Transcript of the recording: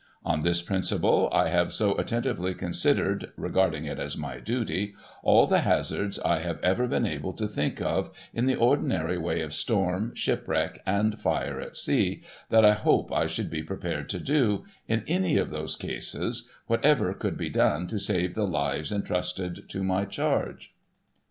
On this principle I have so attentively considered (regarding it as my duty) all the hazards I have ever been able to think of, in the ordinary way of storm, shipwreck, and fire at sea, that I hope I should be prepared to do, in any of those cases, whatever could be done, to save the lives intrusted to my charge.